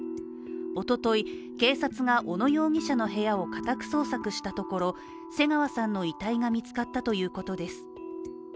おととい、警察が小野容疑者の部屋を家宅捜索したところ瀬川さんの遺体が見つかったということです。